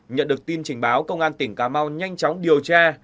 nhận được tin trình báo công an tỉnh cà mau nhanh chóng điều tra